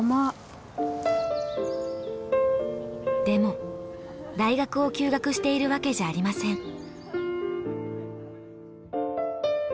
でも大学を休学しているわけじゃありません。